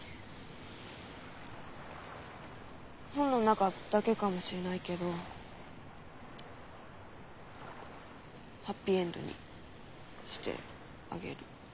本の中だけかもしれないけどハッピーエンドにしてあげる。